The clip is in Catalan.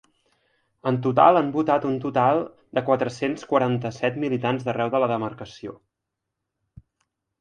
En total, han votat un total de quatre-cents quaranta-set militants d’arreu de la demarcació.